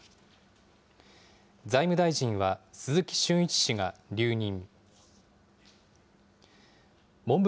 財務大臣は鈴木俊一氏が留任。